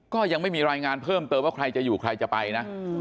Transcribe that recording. ก็ยังไม่มีรายงานเพิ่มเติมว่าใครจะอยู่ใครจะไปนะ